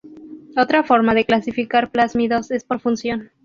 Otra forma de clasificar plásmidos es por función.